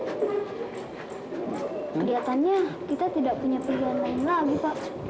kegiatannya kita tidak punya pilihan lain lagi pak